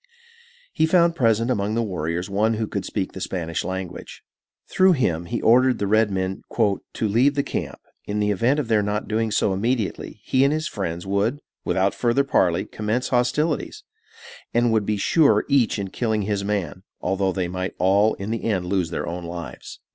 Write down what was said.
He found present among the warriors one who could speak the Spanish language. Through him he ordered the red men "to leave the camp. In the event of their not doing so immediately, he and his friends would, without further parley, commence hostilities, and would be sure each in killing his man, although they might all in the end lose their own lives."